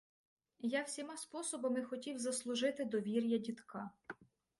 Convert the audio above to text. Я всіма способами хотів заслужити довір'я дідка.